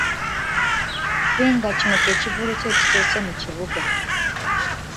Finger kino ky'ekivvulu kye ekisoose mu kibuga.